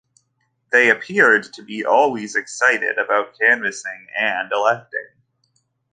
They appeared to be always excited about canvassing and electing.